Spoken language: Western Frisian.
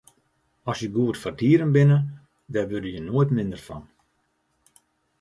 As je goed foar dieren binne, dêr wurde je noait minder fan.